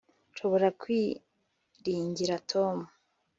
Nshobora kwiringira Tom